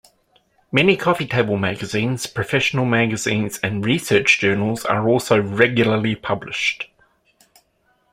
Many coffee table magazines, professional magazines and research journals are also regularly published.